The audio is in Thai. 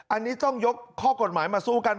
อันนี้ต้องยกข้อกฎหมายมาสู้กัน